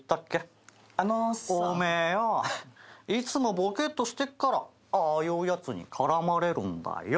お前よいつもぼけーっとしてっからああいうやつに絡まれるんだよ！